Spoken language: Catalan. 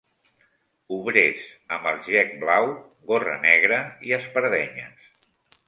Obrers, amb el gec blau, gorra negra i espardenyes